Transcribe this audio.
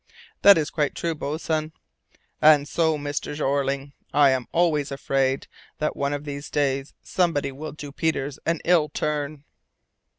"That is quite true, boatswain." "And so, Mr. Jeorling, I am always afraid that one of these days somebody will do Peters an ill turn."